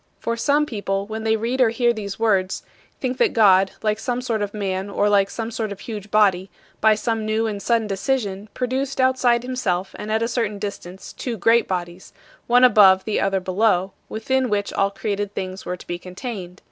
For some people, when they read or hear these words, think that God, like some sort of man or like some sort of huge body, by some new and sudden decision, produced outside himself and at a certain distance two great bodies: one above, the other below, within which all created things were to be contained.